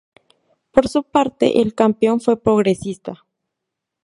Por su parte, el campeón fue Progresista.